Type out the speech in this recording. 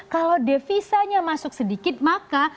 kalau devisanya masuk sedikit maka